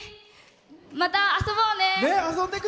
また遊ぼうね！